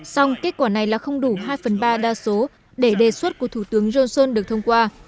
song kết quả này là không đủ hai phần ba đa số để đề xuất của thủ tướng johnson được thông qua